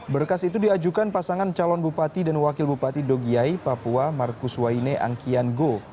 berkas itu diajukan pasangan calon bupati dan wakil bupati dogiai papua markus waine angkian go